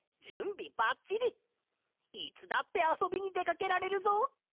いつだってあそびにでかけられるぞ！